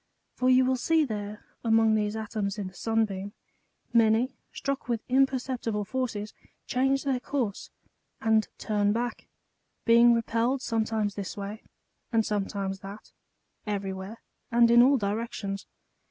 For you will see there, among those atoms is the sun beam^ many, struck with imperceptible forces, change their course, and turn back, being repelled sometimes this way, and sometimes that, every where, and in all directions.